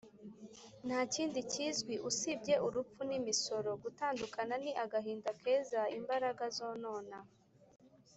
ntakindi kizwi usibye urupfu n'imisoro. gutandukana ni agahinda keza imbaraga zonona;